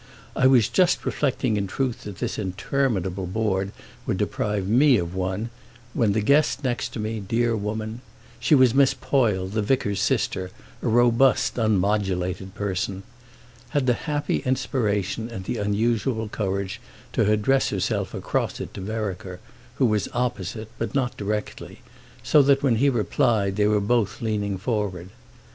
I was just reflecting in truth that this interminable board would deprive me of one when the guest next me, dear woman—she was Miss Poyle, the vicar's sister, a robust unmodulated person—had the happy inspiration and the unusual courage to address herself across it to Vereker, who was opposite, but not directly, so that when he replied they were both leaning forward.